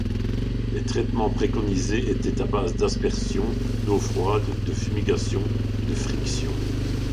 Les traitements préconisés étaient à base d’aspersion d’eau froide, de fumigation et de frictions.